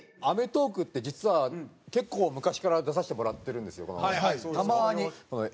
『アメトーーク』って実は結構昔から出させてもらってるんですけどたまに。